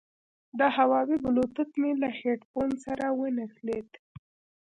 د هوواوي بلوتوت مې له هیډفون سره ونښلید.